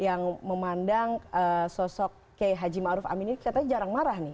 yang memandang sosok kayak haji ma'ruf amin ini katanya jarang marah nih